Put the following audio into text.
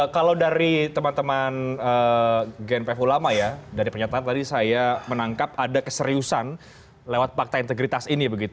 kalau dari teman teman gnpf ulama ya dari pernyataan tadi saya menangkap ada keseriusan lewat fakta integritas ini